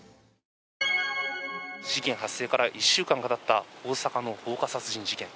事件発生から１週間がたった大阪の放火殺人事件。